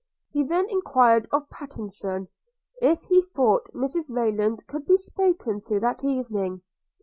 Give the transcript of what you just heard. He then enquired of Pattenson, if he thought Mrs Rayland could be spoken to that evening?